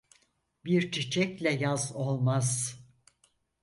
Bir çiçekle yaz olmaz.